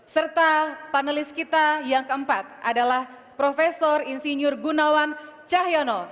serta panelis kita yang keempat adalah prof insinyur gunawan cahyono